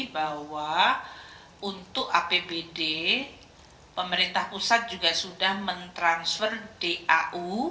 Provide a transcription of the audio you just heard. bahwa untuk apbd pemerintah pusat juga sudah mentransfer dau